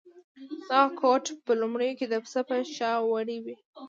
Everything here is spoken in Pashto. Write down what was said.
دغه کوټ په لومړیو کې د پسه په شا وړۍ وې.